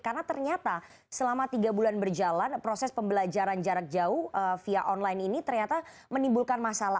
karena ternyata selama tiga bulan berjalan proses pembelajaran jarak jauh via online ini ternyata menimbulkan masalah